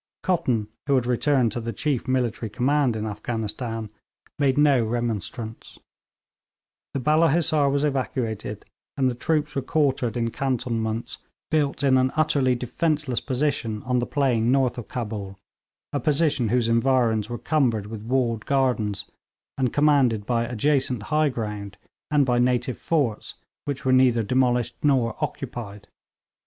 Cotton, who had returned to the chief military command in Afghanistan, made no remonstrance; the Balla Hissar was evacuated, and the troops were quartered in cantonments built in an utterly defenceless position on the plain north of Cabul, a position whose environs were cumbered with walled gardens, and commanded by adjacent high ground, and by native forts which were neither demolished nor occupied.